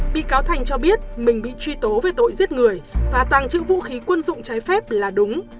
bị cáo thành cho biết mình bị truy tố với tội giết người và tăng trực vũ khí quân dụng trái phép là đúng